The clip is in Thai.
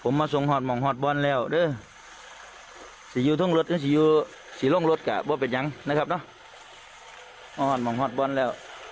มาหอดล่ะเด้อให้นะครับผมมาส่งหอดหมองหอดบอนแล้ว